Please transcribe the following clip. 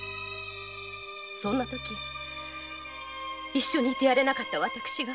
そんな時一緒にいてやれない私が。